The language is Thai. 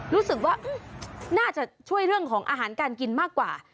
รู้สึกว่าน่าจะช่วยเรื่องของอาหารการกินมากกว่า